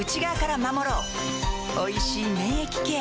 おいしい免疫ケア